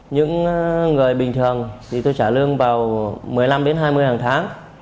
những người bình thường thì tôi trả lương vào một mươi năm đến hai mươi hàng tháng